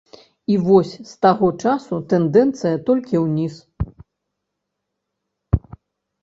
І вось з таго часу тэндэнцыя толькі ўніз.